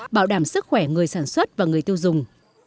bảo đảm sức khỏe người sản xuất và người tiêu dùng